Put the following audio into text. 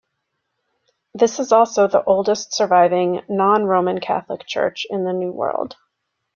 This is also the oldest surviving non-Roman Catholic church in the New World.